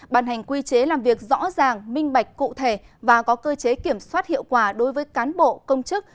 bàn hành quy chế làm việc rõ ràng minh bạch cụ thể và có cơ chế kiểm soát hiệu quả đối với cán bộ công chức